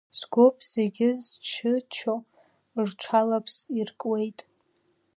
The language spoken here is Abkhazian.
Сгәоуп зегьы зчычоу рҽаларԥс иркуеит!